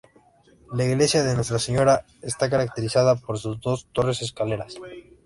La iglesia de Nuestra Señora está caracterizada por sus dos torres escaleras.